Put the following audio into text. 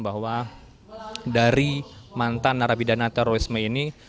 bahwa dari mantan narapidana terorisme ini